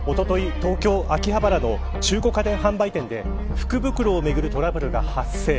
東京、秋葉原の中古家電販売店で福袋をめぐるトラブルが発生。